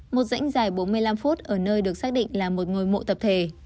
một rãnh dài bốn mươi năm phút ở nơi được xác định là một ngôi mộ tập thể